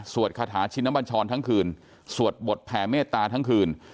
คาถาชินบัญชรทั้งคืนสวดบทแผ่เมตตาทั้งคืน